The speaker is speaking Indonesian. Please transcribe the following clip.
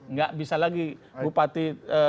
tidak bisa lagi bupati